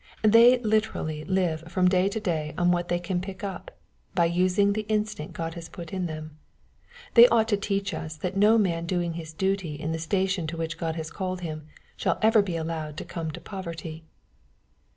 They literally live from day to day on what they can pick up, by using the instinct God has put in them. They ought to teach us that no man doing his duty in the station to which God has called him, shall ever be allowed to come to poverty.